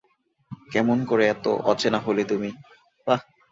কেমন করে এত অচেনা হলে তুমি?